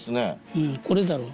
うんこれだろう